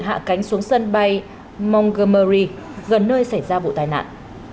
hạ cánh xuống sân bay mongomory gần nơi xảy ra vụ tai nạn